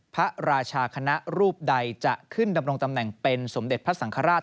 พระราชาคณะรูปใดจะขึ้นดำรงตำแหน่งเป็นสมเด็จพระสังฆราช